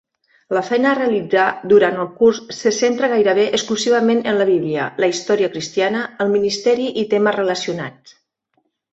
La feina a realitzar durant el curs se centra gairebé exclusivament en la Bíblia, la història cristiana, el ministeri i temes relacionats.